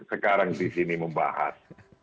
sekarang di sini membahas